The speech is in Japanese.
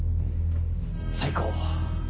最高！